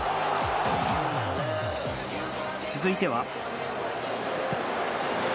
続いては。